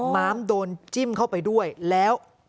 ม้ามโดนจิ้มเข้าไปด้วยแล้ว